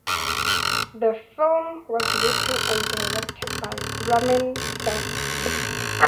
The film was written and directed by Ramin Serry.